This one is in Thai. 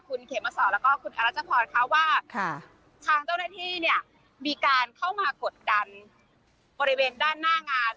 คุณเขมสอนแล้วก็คุณอรัชพรค่ะว่าทางเจ้าหน้าที่เนี่ยมีการเข้ามากดดันบริเวณด้านหน้างาน